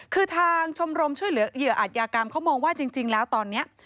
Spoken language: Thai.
คือทางชมรมช่วยเหลือเหยื่ออาจยากรรมเขามองว่าจริงแล้วตอนนี้